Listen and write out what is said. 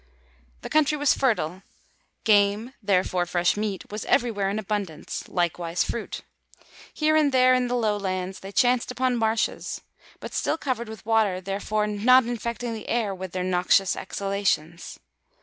The country was fertile; game, therefore fresh meat, was everywhere in abundance, likewise fruit. Here and there in the low lands they chanced upon marshes, but still covered with water, therefore not infecting the air with their noxious exhalations.